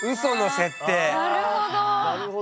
なるほど！